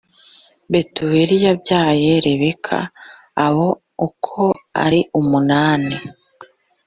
betuweli yabyaye rebeka abo uko ari umunani